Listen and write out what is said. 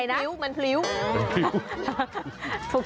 ดีกว่าเป็นต้อง